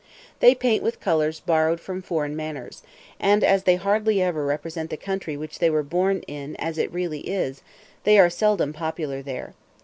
They paint with colors borrowed from foreign manners; and as they hardly ever represent the country they were born in as it really is, they are seldom popular there.